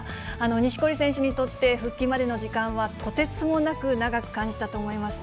錦織選手にとって、復帰までの時間はとてつもなく長く感じたと思います。